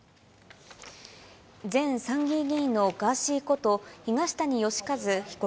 前参議院議員のガーシーこと東谷義和被告